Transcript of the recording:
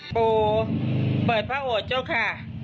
ปู่เปิดพระโอดเจ้าค่ะ